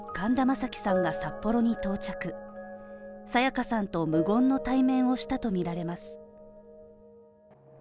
沙也加さんと無言の対面をしたとみられます。